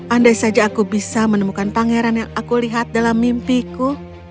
andai saja aku bisa menemukan pangeran yang aku lihat dalam mimpiku